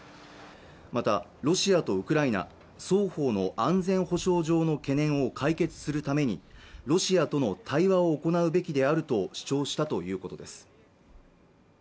またロシアとウクライナ双方の安全保障上の懸念を解決するためにロシアとの対話を行うべきであると主張したということです